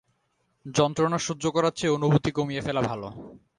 যন্ত্রণা সহ্য করার চেয়ে অনুভূতি কমিয়ে ফেলা ভালো।